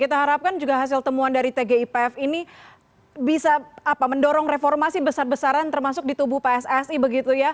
kita harapkan juga hasil temuan dari tgipf ini bisa mendorong reformasi besar besaran termasuk di tubuh pssi begitu ya